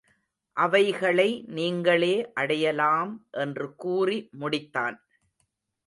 அவைகளை நீங்களே அடையலாம் என்று கூறி முடித்தான்.